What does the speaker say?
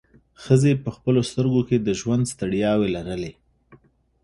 ښځې په خپلو سترګو کې د ژوند ستړیاوې لرلې.